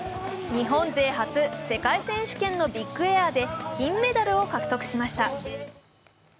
日本勢初世界選手権のビッグエアで金メダルを獲得しました。